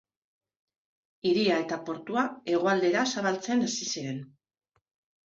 Hiria eta portua hegoaldera zabaltzen hasi ziren.